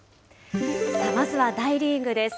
まずは大リーグです。